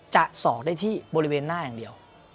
สอกได้ที่บริเวณหน้าอย่างเดียว